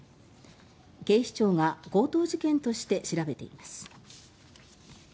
警視庁が強盗事件として調べています。